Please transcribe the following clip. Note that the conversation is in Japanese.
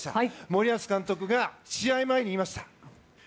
森保監督が試合前に言いました。